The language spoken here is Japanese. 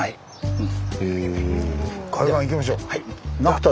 うん。